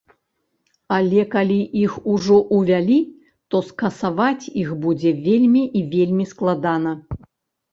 Але калі іх ўжо ўвялі, то скасаваць іх будзе вельмі і вельмі складана.